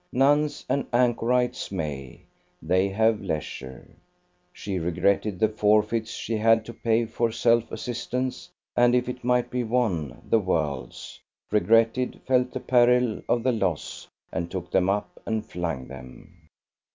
Nuns and anchorites may; they have leisure. She regretted the forfeits she had to pay for self assistance, and, if it might be won, the world's; regretted, felt the peril of the loss, and took them up and flung them.